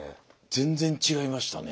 全然違いましたね。